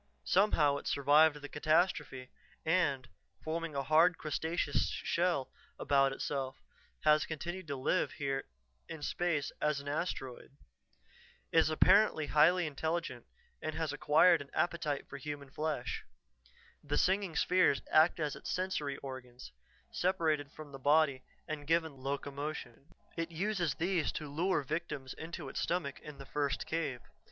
Somehow it survived the catastrophe, and, forming a hard, crustaceous shell about itself, has continued to live here in space as an asteroid. "It is apparently highly intelligent and has acquired an appetite for human flesh. The singing spheres act as its sensory organs, separated from the body and given locomotion. It uses these to lure victims into its stomach in the first cave.